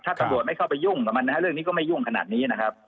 ถ้าตำรวจไม่เข้าไปยุ่งกับมันนะฮะเรื่องนี้ก็ไม่ยุ่งขนาดนี้นะครับ